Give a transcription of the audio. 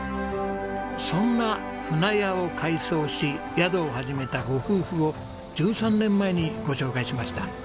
そんな舟屋を改装し宿を始めたご夫婦を１３年前にご紹介しました。